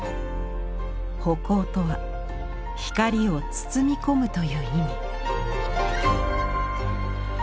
葆光とは「光を包み込む」という意味。